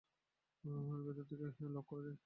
ভেতর থেকে লক করা যায়।